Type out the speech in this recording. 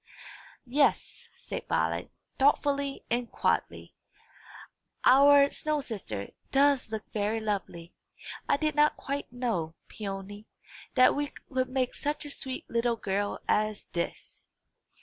"Yes," said Violet, thoughtfully and quietly; "our snow sister does look very lovely. I did not quite know, Peony, that we could make such a sweet little girl as this."